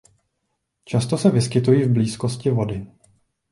Často se vyskytují v blízkosti vody.